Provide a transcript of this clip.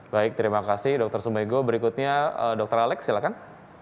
baik terima kasih dr sumego berikutnya dr alex silahkan